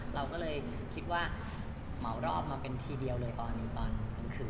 เราก็เลยคิดว่าเหมารอบมาเป็นทีเดียวเลยตอนกลางคืน